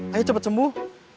ayo cepat sembuh